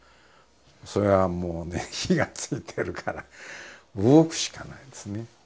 それはもうね火がついてるから動くしかないんですね。